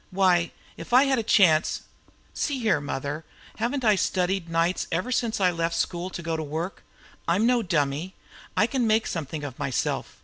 Why, if I had a chance See here, mother, haven't I studied nights ever since I left school to go to work? I'm no dummy. I can make something of myself.